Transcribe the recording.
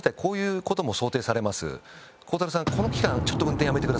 「孝太郎さん」。